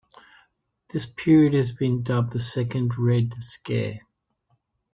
This period has been dubbed the Second Red Scare.